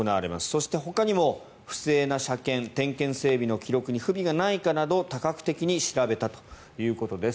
そしてほかにも不正な車検、点検・整備の記録に不備がないかなど多角的に調べたということです。